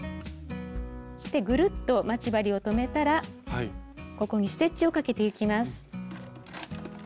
ぐるっと待ち針を留めたらここにステッチをかけてゆきます。